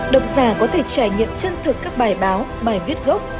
độc giả có thể trải nghiệm chân thực các bài báo bài viết gốc